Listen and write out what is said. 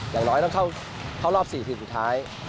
อย่างน้อยต้องเข้ารอบ๔ทีมสุดท้าย